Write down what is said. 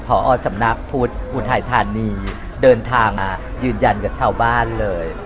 พอสำนักพุทธอุทัยธานีเดินทางมายืนยันกับชาวบ้านเลย